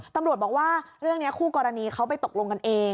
ตำรวจบอกว่าเรื่องนี้คู่กรณีเขาไปตกลงกันเอง